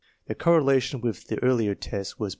The correlation with the earlier tests was